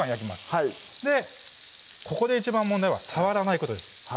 はいここで一番問題は触らないことです